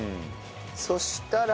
そしたら。